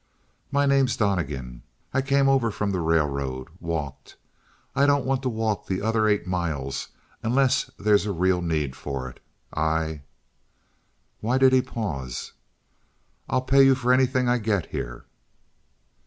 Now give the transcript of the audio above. "My name's Donnegan. I came over from the railroad walked. I don't want to walk that other eight miles unless there's a real need for it. I " Why did he pause? "I'll pay for anything I get here."